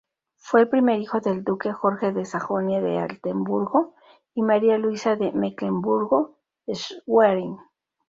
Fue el primer hijo del Duque Jorge de Sajonia-Altenburgo y María Luisa de Mecklemburgo-Schwerin.